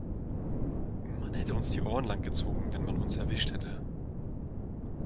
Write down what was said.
Man hätte uns die Ohren lang gezogen, wenn man uns erwischt hätte.